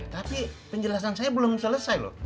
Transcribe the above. tapi penjelasan saya belum selesai loh